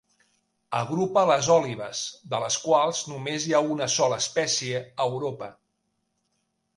Agrupa les òlibes, de les quals només hi ha una sola espècie a Europa.